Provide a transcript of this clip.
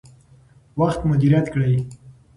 وخت مدیریت کړئ.